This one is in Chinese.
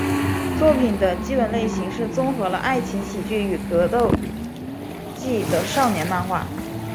作品的基本类型是综合了爱情喜剧与格斗技的少年漫画。